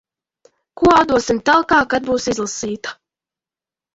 Ko atdosim talkā, kad būs izlasīta.